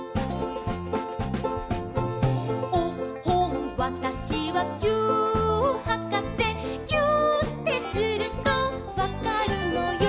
「おっほんわたしはぎゅーっはかせ」「ぎゅーってするとわかるのよ」